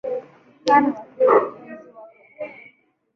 Kaa na watumishi wako bwana